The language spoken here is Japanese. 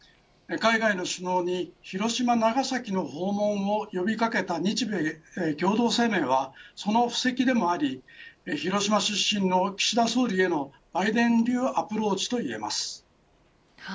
海外の首脳に広島長崎への訪問を呼び掛けた日米共同声明はその布石でもあり広島出身の岸田総理のバイデン流アプローチといます。